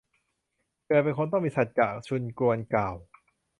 เกิดเป็นคน ต้องมีสัจจะ ซุนกวนกล่าว